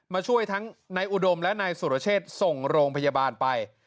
มาช่วยทั้งนายอุดมและนายสุรเชษฐ์ส่งโรงพยาบาลไป